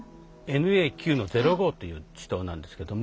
ＮＡ９−０５という池溏なんですけども。